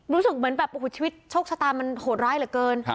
รู้สึกเหมือนแบบชกชะตามันโหดร้ายเหลือเกิน